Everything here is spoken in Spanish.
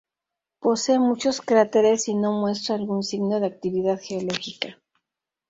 Posee muchos cráteres y no muestra algún signo de actividad geológica.